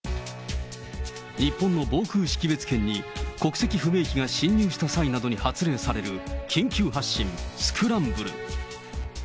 日本の防空識別圏に国籍不明機が侵入した際などに発令される緊急発進・スクランブル。